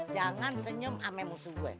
jangan senyum sama musuh gue